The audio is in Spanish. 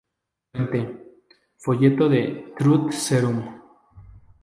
Fuente: Folleto de "Truth Serum".